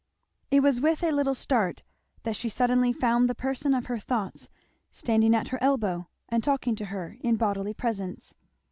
It was with a little start that she suddenly found the person of her thoughts standing at her elbow and talking to her in bodily presence.